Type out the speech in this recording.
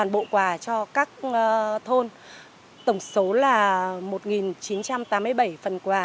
bộ quà cho các thôn tổng số là một chín trăm tám mươi bảy phần quà